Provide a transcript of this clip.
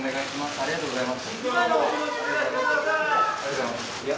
ありがとうございます。